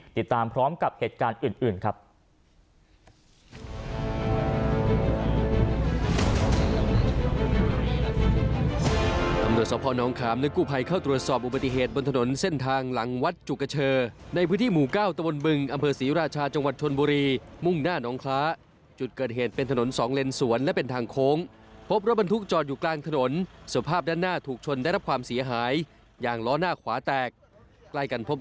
ติดตามพร้อมกับเหตุการณ์อื่นครับ